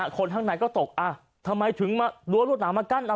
คนข้างในก็ตกทำไมถึงมาล้วนรถหนามากั้น